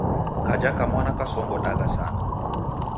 Kaja kamwana kasongodagha sana.